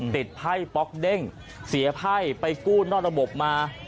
ไพ่ป๊อกเด้งเสียไพ่ไปกู้นอกระบบมา